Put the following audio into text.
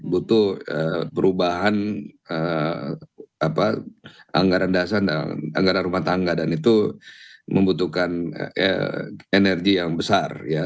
butuh perubahan anggaran dasar dan anggaran rumah tangga dan itu membutuhkan energi yang besar